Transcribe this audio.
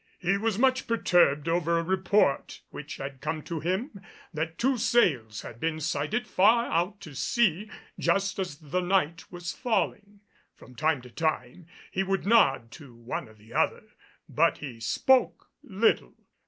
He was much perturbed over a report which had come to him that two sails had been sighted far out to sea just as the night was falling. From time to time he would nod to one or the other, but he spoke little.